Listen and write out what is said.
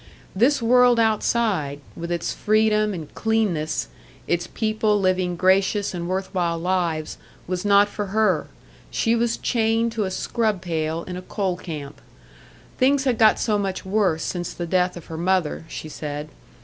This world outside, with its freedom and cleanness, its people living gracious and worth while lives, was not for her; she was chained to a scrub pail in a coal camp. Things had got so much worse since the death of her mother, she said.